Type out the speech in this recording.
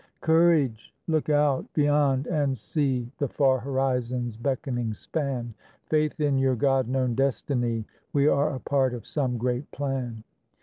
Courage! Look out, beyond, and see The far horizon's beckoning span! Faith in your God known destiny! We are a part of some great plan.